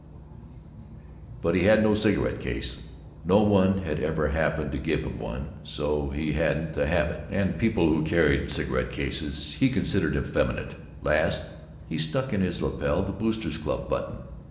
P.D.F. But he had no cigarette case. No one had ever happened to give him one, so he hadn't the habit, and people who carried cigarette cases he regarded as effeminate. Last, he stuck in his lapel the Boosters' Club button.